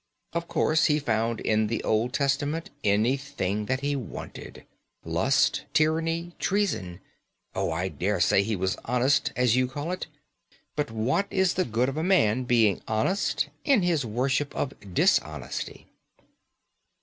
Of course, he found in the Old Testament anything that he wanted lust, tyranny, treason. Oh, I dare say he was honest, as you call it. But what is the good of a man being honest in his worship of dishonesty?